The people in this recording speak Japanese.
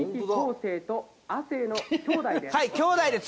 生と亜生の兄弟です。